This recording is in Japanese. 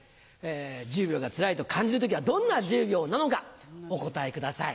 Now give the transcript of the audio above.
１０秒がつらいと感じる時はどんな１０秒なのかお答えください。